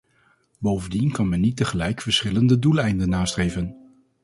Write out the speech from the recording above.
Bovendien kan men niet tegelijk verschillende doeleinden nastreven.